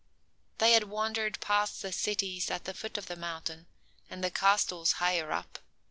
They had wandered past the cities at the foot of the mountain, and the castles higher up.